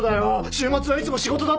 週末はいつも仕事だって。